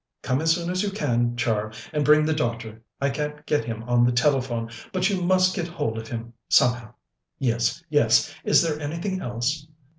Come as soon as you can, Char, and bring the doctor. I can't get him on the telephone, but you must get hold of him somehow." "Yes yes. Is there anything else?"